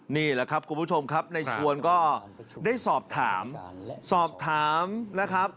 นี่แหละครับคุณผู้ชมครับในชวนก็ได้สอบถามสอบถามนะครับ